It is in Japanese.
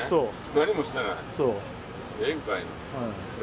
何もしてない。